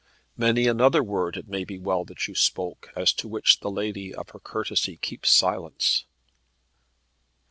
Many another word it may well be that you spoke, as to which the lady of her courtesy keeps silence."